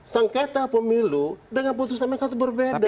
sengketa pemilu dengan putusan mk itu berbeda